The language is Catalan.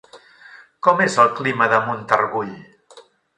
Com és el clima de Montargull?